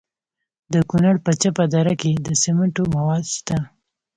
د کونړ په چپه دره کې د سمنټو مواد شته.